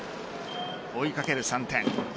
追いかける３点。